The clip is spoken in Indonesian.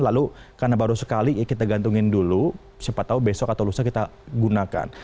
lalu karena baru sekali kita gantungin dulu siapa tahu besok atau lusa kita gunakan